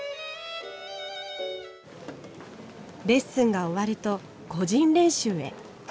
レッスンが終わると個人練習へ。